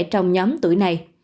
trong nhóm tuổi này